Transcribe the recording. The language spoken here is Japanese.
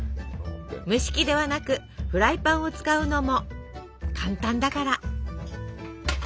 蒸し器ではなくフライパンを使うのも簡単だから。